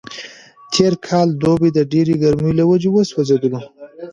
تېر کال دوبی د ډېرې ګرمۍ له وجې وسوځېدلو.